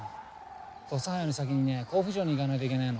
土佐藩より先にね甲府城に行かないといけないの。